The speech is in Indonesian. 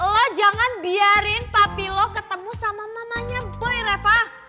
lo jangan biarin papi lo ketemu sama mamanya boy reva